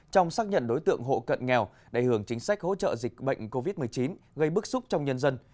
trong xác nhận đối tượng hộ cận nghèo để hưởng chính sách hỗ trợ dịch bệnh covid một mươi chín gây bức xúc trong nhân dân